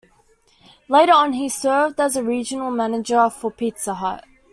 Later on, he served as a regional manager for Pizza Hut.